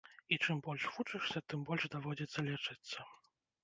І чым больш вучышся, тым больш даводзіцца лячыцца.